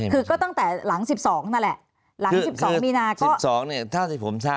คือก็ตั้งแต่หลัง๑๒นั่นแหละ